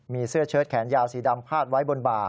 มีเสื้อเชิดแขนยาวสีดำพาดไว้บนบ่า